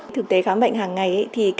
thực tế khám bệnh hàng ngày